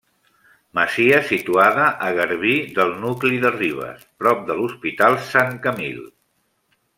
Masia situada a garbí del nucli de Ribes, prop de l'Hospital Sant Camil.